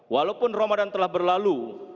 walaupun ramadan telah berlalu